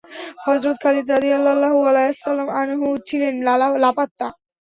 হযরত খালিদ রাযিয়াল্লাহু আনহু ছিলেন লাপাত্তা।